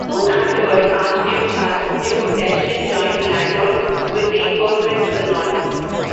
Soon afterward, Archduke Charles, Duke of Teschen joined Latour with reinforcements from the north.